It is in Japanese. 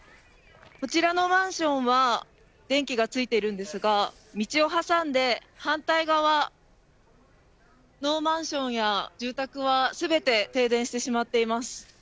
こちらのマンションは電気がついていますが道を挟んで反対側のマンションや住宅は全て停電してしまっています。